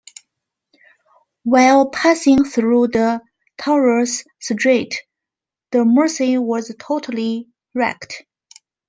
While passing through the Torres Strait, the "Mersey" was totally wrecked.